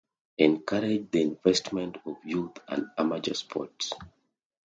Encourage the investment of youth and amateur sports.